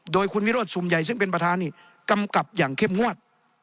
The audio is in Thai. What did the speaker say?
โดยคุณวิโรธชุมใหญ่ซึ่งเป็นประธานนี่กำกับอย่างเข้มงวด